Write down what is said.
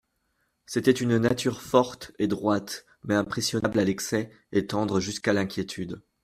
C'était une nature forte et droite, mais impressionnable à l'excès et tendre jusqu'à l'inquiétude.